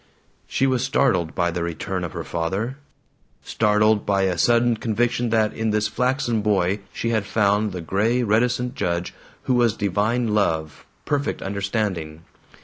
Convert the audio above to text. She was startled by the return of her father, startled by a sudden conviction that in this flaxen boy she had found the gray reticent judge who was divine love, perfect under standing.